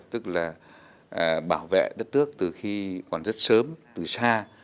tức là bảo vệ đất nước từ khi còn rất sớm từ xa